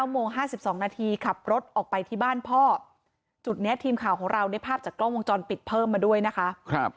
โมง๕๒นาทีขับรถออกไปที่บ้านพ่อจุดนี้ทีมข่าวของเราได้ภาพจากกล้องวงจรปิดเพิ่มมาด้วยนะคะ